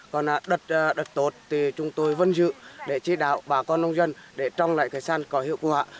còn đất tốt thì chúng tôi vẫn giữ để trị đạo bà con nông dân để trong lại cây sắn có hiệu quả